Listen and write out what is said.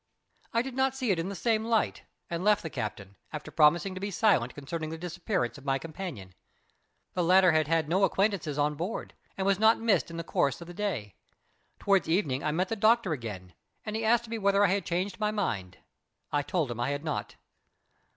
I did not see it in the same light, and left the captain, after promising to be silent concerning the disappearance of my companion. The latter had had no acquaintances on board, and was not missed in the course of the day. Towards evening I met the doctor again, and he asked me whether I had changed my mind. I told him I had not.